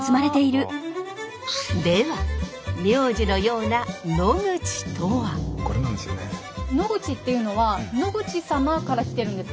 では名字のような野口っていうのは野口様から来てるんですか？